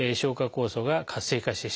酵素が活性化してしまうと。